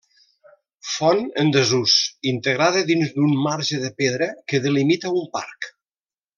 Font en desús integrada dins d'un marge de pedra que delimita un parc.